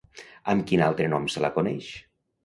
Amb quin altre nom se la coneix?